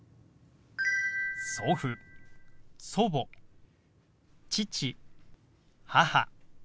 「祖父」「祖母」「父」「母」。